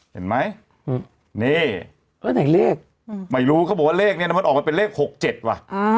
เห็นไหมนี่เออไหนเลขไม่รู้เขาบอกว่าเลขนี้นะมันออกมาเป็นเลข๖๗ว่ะ